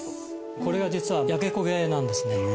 これが実は焼け焦げなんですね。